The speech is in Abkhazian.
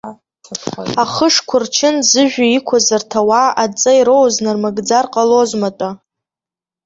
Ахышқәа рчын зыжәҩа иқәыз арҭ ауаа адҵа ироуз нармыгӡар ҟалозма-тәа.